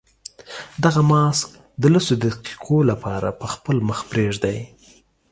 دغه ماسک د لسو دقیقو لپاره په خپل مخ پرېږدئ.